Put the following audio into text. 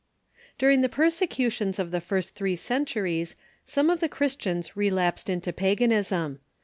] During the persecutions of the first three centuries some of the Christians relapsed into paganism.